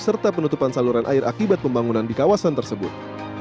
serta penutupan saluran air akibat pembangunan di kawasan tersebut